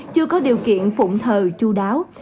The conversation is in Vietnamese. chưa có điều kiện phụng thờ chú đáo